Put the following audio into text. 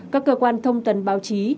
các cơ quan thông tấn báo chí